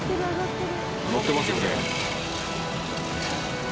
乗ってますよね。